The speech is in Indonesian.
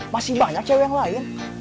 masih banyak cewek yang lain